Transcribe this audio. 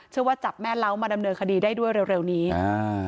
ว่าจับแม่เล้ามาดำเนินคดีได้ด้วยเร็วเร็วนี้อ่า